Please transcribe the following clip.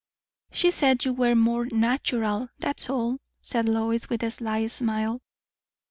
"She said you were more natural, thats all," said Lois, with a sly smile.